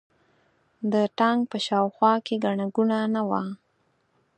د تانک په شا او خوا کې ګڼه ګوڼه نه وه.